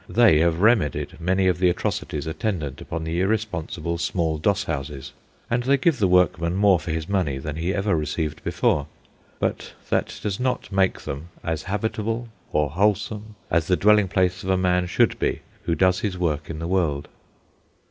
They have remedied many of the atrocities attendant upon the irresponsible small doss houses, and they give the workman more for his money than he ever received before; but that does not make them as habitable or wholesome as the dwelling place of a man should be who does his work in the world.